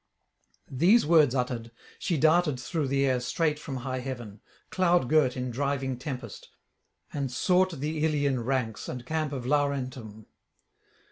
These words uttered, she darted through the air straight from high heaven, cloud girt in driving tempest, and sought the Ilian ranks and camp of Laurentum.